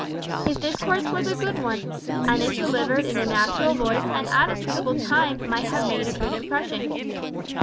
His discourse was a good one, and if delivered in a natural voice and at a suitable time, might have made a good impression.